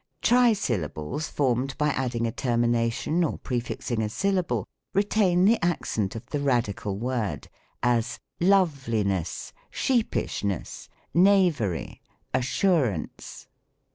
Trisyllables, formed by adding a termination or pre fixing a syllable, retain the accent of the radical word: as, " L6veliness, sheepishness, knavery, assurance."